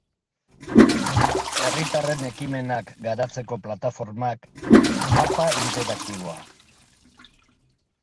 Herritarren ekimenak garatzeko plataformak, mapa interaktiboa.